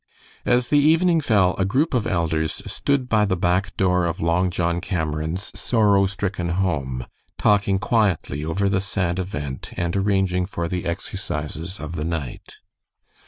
As the evening fell, a group of elders stood by the back door of Long John Cameron's sorrow stricken home, talking quietly over the sad event and arranging for the "exercises" of the night.